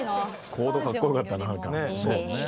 コードかっこよかった。